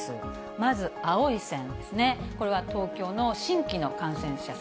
まず青い線ですね、これは東京の新規の感染者数、